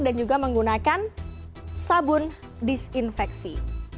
dan juga menggunakan sabun disinfeksi